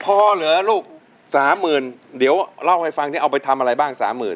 พอเหรอลูกสามหมื่นเดี๋ยวเล่าให้ฟังเนี่ยเอาไปทำอะไรบ้างสามหมื่น